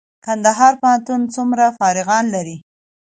کندهار پوهنتون څومره فارغان لري؟